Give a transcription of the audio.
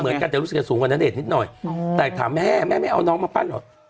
กันแต่รู้สึกจะสูงกว่าณเดชนนิดหน่อยแต่ถามแม่แม่ไม่เอาน้องมาปั้นเหรอ